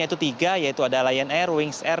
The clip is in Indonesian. yaitu tiga yaitu ada lion air wings air